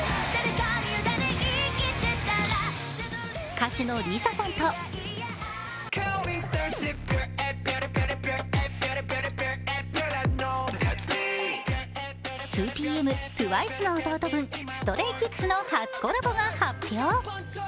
歌手のＬｉＳＡさんと２ＰＭ、ＴＷＩＣＥの弟分、ＳｔｒａｙＫｉｄｓの初コラボが発表。